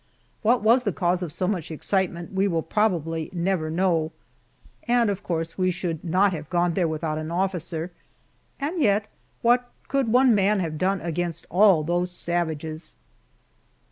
What was the cause of so much excitement we will probably never know and of course we should not have gone there without an officer, and yet, what could one man have done against all those savages!